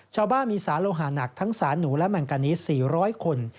ชาวบ้านมีสารโลหาหนักทั้งสารหนูและแมงกานิส๔๐๐คน